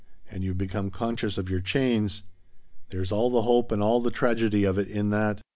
And you've become conscious of your chains. There's all the hope and all the tragedy of it in that."